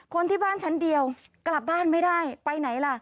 คนที่บ้านชั้นเดียวกลับบ้านไม่ได้ไปไหนล่ะ